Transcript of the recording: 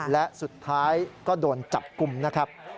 และสุดท้ายก็โดนจับกลุ่มนะครับ